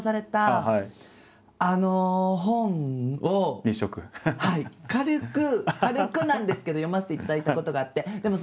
軽く軽くなんですけど読ませていただいたことがあって。